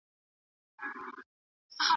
پوهه د تورو تيارو څراغ دی.